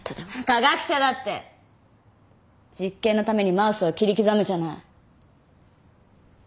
科学者だって実験のためにマウスを切り刻むじゃない。